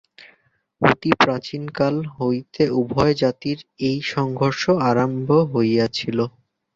অতি প্রাচীনকাল হইতেই উভয় জাতির এই সংঘর্ষ আরম্ভ হইয়াছিল।